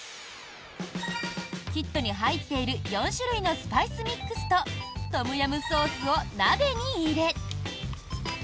キットに入っている４種類のスパイスミックスとトムヤムソースを鍋に入れ